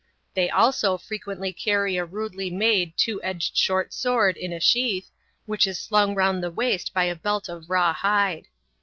They also frequently carry a rudely made two edged short sword in a sheath, which is slung round the waist by a belt of raw hide.